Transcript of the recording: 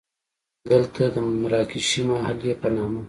دلته د مراکشي محلې په نامه.